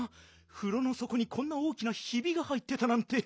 ふろのそこにこんな大きなひびが入ってたなんて。